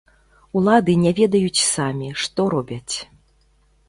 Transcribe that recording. Улады не ведаюць самі, што робяць.